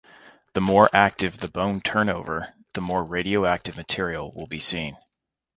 The more active the bone turnover, the more radioactive material will be seen.